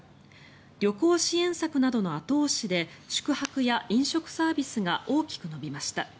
旅行支援策などの後押しで宿泊や飲食サービスが大きく伸びました。